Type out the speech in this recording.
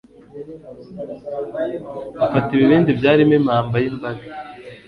bafata ibibindi byarimo impamba y'imbaga